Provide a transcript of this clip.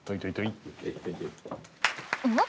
ん？